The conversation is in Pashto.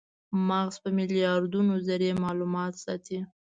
مغز په میلیاردونو ذرې مالومات ساتي.